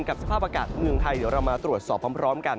สภาพอากาศเมืองไทยเดี๋ยวเรามาตรวจสอบพร้อมกัน